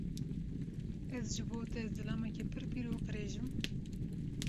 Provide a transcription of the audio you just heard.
Ez ji bo te zilamekî pir pîr û qirêj im?